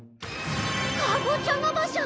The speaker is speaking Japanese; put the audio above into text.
カボチャの馬車。